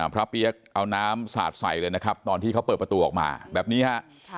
เปี๊ยกเอาน้ำสาดใส่เลยนะครับตอนที่เขาเปิดประตูออกมาแบบนี้ฮะ